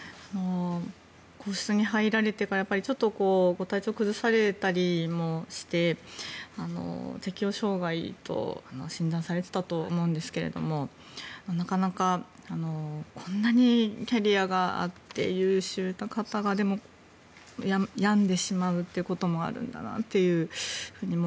皇室に入られてからご体調を崩されたりもして適応障害と診断されていたと思うんですけれどなかなかこんなにキャリアがあって優秀な方がでも病んでしまうということもあるんだなという。